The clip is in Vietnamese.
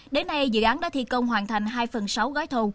đến nay dự án đã thi công hoàn thành hai phần sáu gói thầu